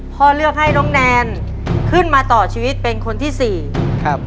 พ่อเลือกให้น้องแนนขึ้นมาต่อชีวิตเป็นคนที่สี่ครับ